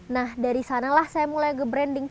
nah dari sanalah saya mulai ke branding